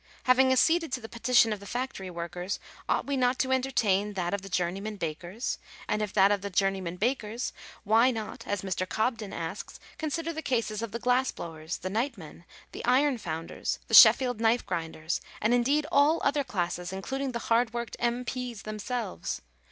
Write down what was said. Having acceded to the petition of the factory workers, ought we not to entertain that of the journeymen bakers ? and if that of the journeymen bakers, why not, as Mr. Gobden asks, consider the cases of the glass blowers, the nightmen, the iron founders, the Sheffield knife grinders, and indeed all other classes, including the hard worked M.P.s themselves